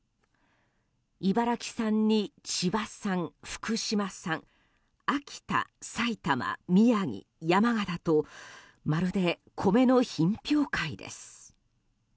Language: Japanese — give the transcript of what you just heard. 茨城産に千葉産、福島産秋田、埼玉、宮城、山形とまるで米の品評会です。